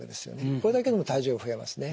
これだけでも体重が増えますね。